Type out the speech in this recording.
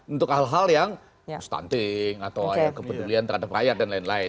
untuk hal hal yang stunting atau kepedulian terhadap rakyat dan lain lain